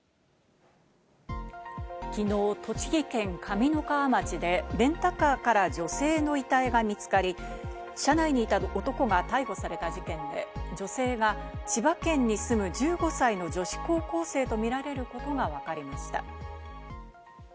きのう、栃木県上三川町でレンタカーから女性の遺体が見つかり、車内にいた男が逮捕された事件で、女性が千葉県に住む１５歳の女子高校生とみられることがわかりました。